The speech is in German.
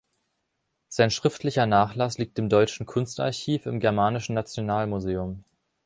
Sein schriftlicher Nachlass liegt im Deutschen Kunstarchiv im Germanischen Nationalmuseum.